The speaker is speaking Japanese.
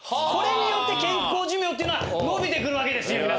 これによって健康寿命っていうのは延びてくるわけですよ